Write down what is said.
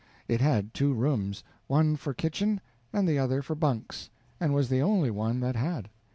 It had two rooms, one for kitchen and the other for bunks, and was the only one that had.